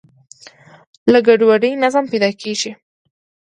له ګډوډۍ نظم پیدا کېږي.